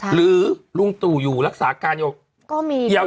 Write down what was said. หรือลุงตู่อยู่รักษาการอยู่ก็มี